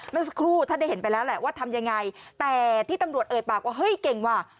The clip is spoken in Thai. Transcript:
เมื่อสักครู่ท่านได้เห็นไปแล้วแหละว่าทำยังไงแต่ที่ตำรวจเอ่ยปากว่าเฮ้ยเก่งว่ะ